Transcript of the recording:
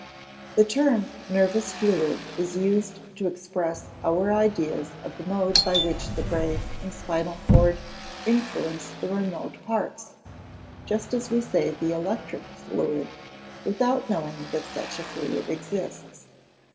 _ The term nervous fluid is used to express our ideas of the mode by which the brain and spinal cord influence the remote parts: just as we say the electric fluid, without knowing that such a fluid exists.